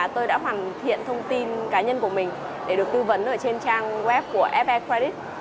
tôi đã hoàn thiện thông tin cá nhân của mình để được tư vấn ở trên trang web của fre credit